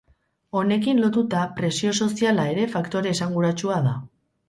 Honekin lotuta presio soziala ere faktore esanguratsua da.